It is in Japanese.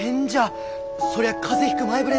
そりゃ風邪ひく前触れですき！